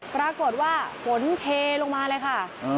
ปรากฏว่าฝนเทลงมาเลยค่ะ